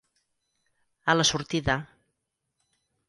A la sortida.